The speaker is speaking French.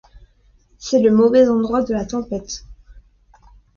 C’est le mauvais endroit de la tempête.